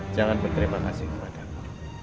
jangan berterima kasih kepada aku